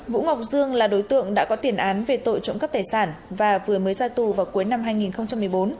vũ ngọc dương là đối tượng đã có tiền án về tội trộm cắp tài sản và vừa mới ra tù vào cuối năm hai nghìn một mươi bốn